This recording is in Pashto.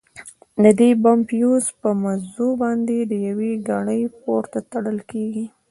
د دې بم فيوز په مزو باندې يوې ګړۍ پورې تړل کېږي.